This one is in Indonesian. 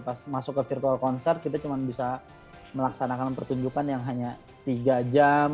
pas masuk ke virtual concert kita cuma bisa melaksanakan pertunjukan yang hanya tiga jam